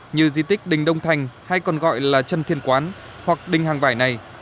như di tích đình đông thành hay còn gọi là trần thiên quán hoặc đình hàng vải này